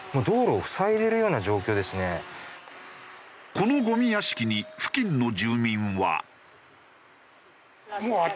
このゴミ屋敷に付近の住民は。